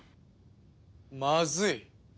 まずい。